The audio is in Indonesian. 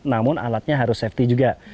namun alatnya harus safety juga